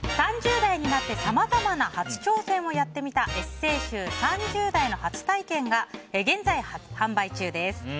３０代になってさまざまな初挑戦をやってみたエッセー集「三十代の初体験」が現在、販売中です。